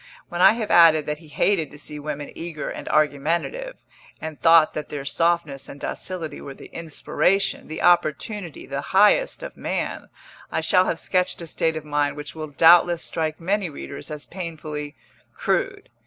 When I have added that he hated to see women eager and argumentative, and thought that their softness and docility were the inspiration, the opportunity (the highest) of man, I shall have sketched a state of mind which will doubtless strike many readers as painfully crude.